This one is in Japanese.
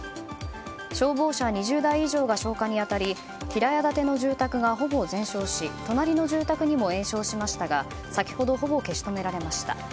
消防車２０台以上が消火に当たり平屋建ての住宅がほぼ全焼し隣の住宅にも延焼しましたが先ほど、ほぼ消し止められました。